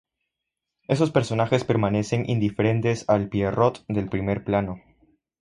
Esos personajes permanecen indiferentes al Pierrot del primer plano.